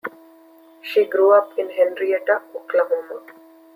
She grew up in Henryetta, Oklahoma.